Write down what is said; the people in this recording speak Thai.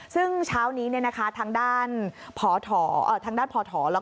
ซึ่งเช้านี้เนี่ยนะคะทางด้านพอถอทางด้านพอถอ